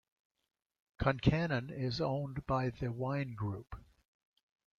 Concannon is owned by The Wine Group.